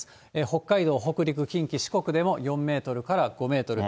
北海道、北陸、近畿、四国でも４メートルから５メートル。